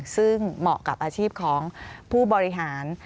ซึ่งเหมาะกับอาชีพของผู้บริหาร